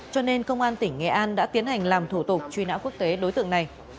cho nên công an tỉnh nghệ an đã tiến hành làm thủ tục truy nã quốc tế đối tượng này